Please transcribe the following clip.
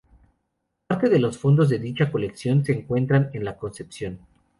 Parte de los fondos de dicha colección se encuentran en la Concepción.